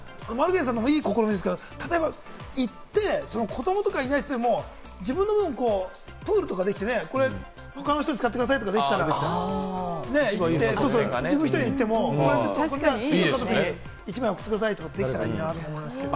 丸源さんもいい試みですけれども、行って、子どもとかいない人でも、自分の分をプールとかできて、他の人に使ってくださいとかできたら、自分１人で行っても次のご家族に１枚送ってくださいって言いたいですね。